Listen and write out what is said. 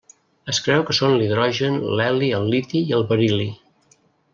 Es creu que són l'hidrogen, l'heli, el liti i el beril·li.